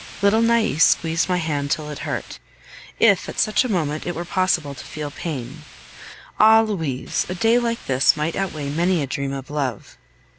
Little Nais squeezed my hand till it hurt, if at such a moment it were possible to feel pain. Ah! Louise, a day like this might outweigh many a dream of love!